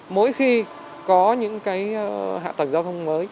mỗi khi có những hạ tầng giao thông mới